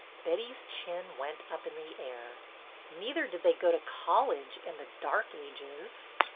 Betty's chin went up in the air. '' Neither did they go to college in the dark ages."